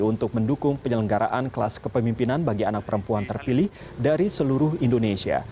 untuk mendukung penyelenggaraan kelas kepemimpinan bagi anak perempuan terpilih dari seluruh indonesia